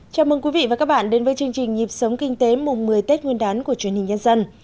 chào mừng quý vị và các bạn đến với chương trình nhịp sống kinh tế mùng một mươi tết nguyên đán của truyền hình nhân dân